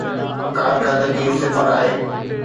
ڪارڪردگي صفر آهي.